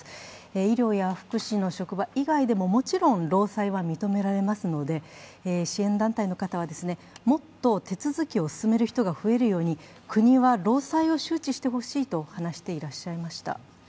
医療や福祉の職場以外でももちろん労災は認められますので、支援団体の方はもっと手続きを進める人が増えるように国は労災を周知してほしいと話していらっしゃいました。